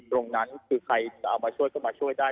ตรงนั้นคือใครจะเอามาช่วยก็มาช่วยได้